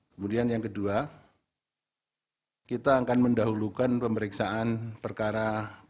kemudian yang kedua kita akan mendahulukan pemeriksaan perkara empat satu tiga tiga puluh enam